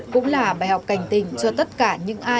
cũng là bài học cành tình cho tất cả những ai có nhẹ dạ